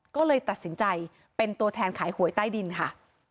ก็เลยตัดสินใจเป็นตัวแทนขายหวยใต้ดินค่ะ